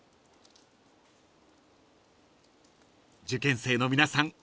［受験生の皆さん